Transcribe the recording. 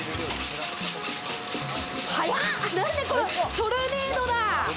トルネードだ！